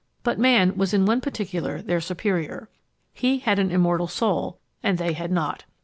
But man was in one particular their superior. He had an immortal soul, and they had not.